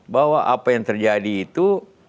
bahwa apa yang terjadi itu